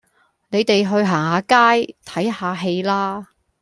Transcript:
你哋去行下街，睇下戲啦